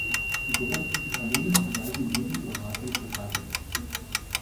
Die Geruchlose Kamille in weiten Gebieten Eurasiens verbreitet.